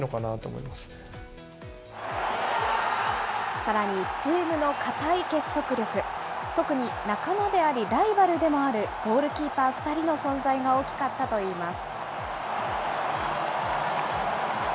さらにチームの固い結束力、特に仲間であり、ライバルでもあるゴールキーパー２人の存在が大きかったといいます。